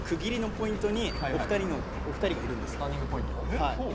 ターニングポイント？えそう？